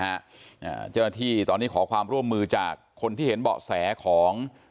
เจ้าหน้าที่ตอนนี้ขอความร่วมมือจากคนที่เห็นเบาะแสของ